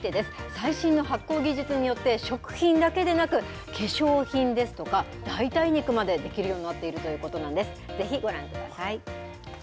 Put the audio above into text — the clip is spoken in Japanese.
最新の発酵技術によって、食品だけでなく、化粧品ですとか、代替肉まで出来るようになっているということなんです。